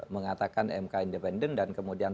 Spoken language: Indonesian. mengatakan mk independen dan kemudian